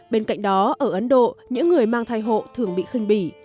bên cạnh đó ở ấn độ những người mang thai hộ thường bị khinh bỉ